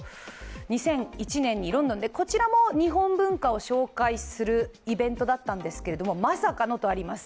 ２００１年にロンドンでこちらも日本文化を紹介するイベントだったんですがまさかのとあります。